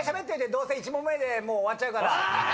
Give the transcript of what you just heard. どうせ１問目で終わっちゃうから。